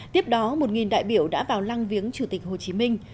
tiếp đó một đại biểu đã vào lăng viếng chủ tịch hồ chí minh